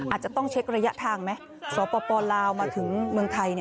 อาจจะต้องเช็คระยะทางไหมสปลาวมาถึงเมืองไทย